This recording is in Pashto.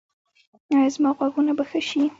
ایا زما غوږونه به ښه شي؟